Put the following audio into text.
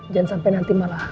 jangan sampai nanti malah